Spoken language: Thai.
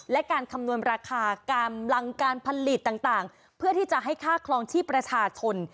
และการคำนวณราคากำลังการผลิตต่างเพื่อที่จะให้ค่าคลองชีพประชาชน